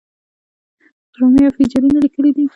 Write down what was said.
ډرامې او فيچرونه ليکلي دي